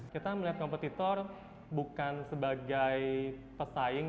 kita melihat kompetitor bukan sebagai pesaing